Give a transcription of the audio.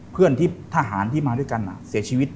เพื่อนที่ทหารที่มาด้วยกันเสียชีวิต